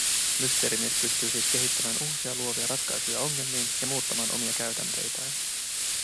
Mysteerimies pystyi siis kehittämään uusia luovia ratkaisuja ongelmiin ja muuttamaan omia käytänteitään.